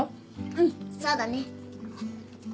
うんそうだね。